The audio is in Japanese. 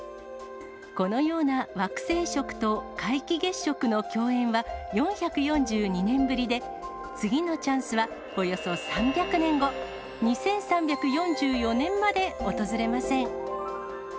このような惑星食と皆既月食の共演は４４２年ぶりで、次のチャンスはおよそ３００年後、２３４４年まで訪れません。